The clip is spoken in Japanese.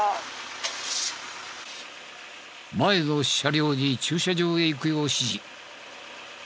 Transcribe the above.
前の車両に駐車場へ行くよう指示。